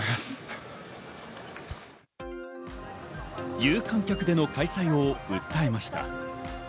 有観客での開催を訴えました。